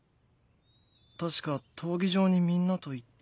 確か闘技場にみんなと行って。